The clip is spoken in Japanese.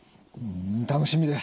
楽しみです！